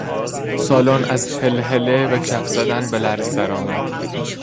سالن از هلهله و کف زدن به لرزه درآمد.